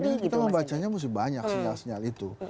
ini kita membacanya mesti banyak sinyal sinyal itu